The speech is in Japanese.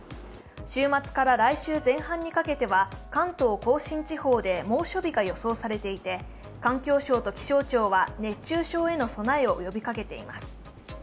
週末から来週前半にかけては、関東甲信地方で猛暑日が予想されていて環境省と気象庁は熱中症への備えを呼びかけています。